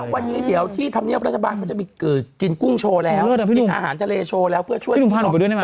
วันนี้เดี๋ยวที่ทำเนี้ยวพระราชบาลก็จะกินกุ้งโชว์แล้วกินอาหารทะเลโชว์แล้วเพื่อช่วยพี่หนุ่มพาหนุ่มไปด้วยได้ไหม